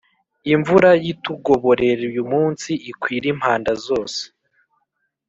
Imvura Yitugoborer’ uyu muns’ ikwir’ impanda zose.